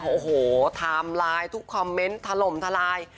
โอ้โหไทม์ไลน์ทุกคอมเมนต์ถล่มทลาย